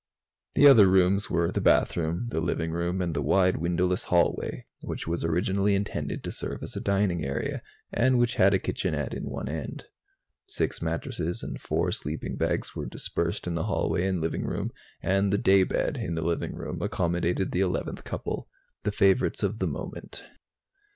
The other rooms were the bathroom, the living room and the wide windowless hallway, which was originally intended to serve as a dining area, and which had a kitchenette in one end. Six mattresses and four sleeping bags were dispersed in the hallway and living room, and the daybed, in the living room, accommodated the eleventh couple, the favorites of the moment.